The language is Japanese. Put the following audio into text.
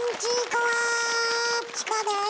チコです。